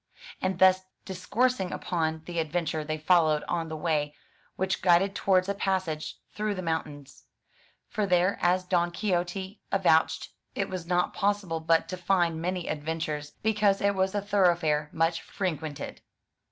And thus discoursing upon the adventure they followed on the way which guided towards a passage through the mountains. For there, as Don Quixote avouched, it was not possible but to find many adventures because it was a thoroughfare much frequented.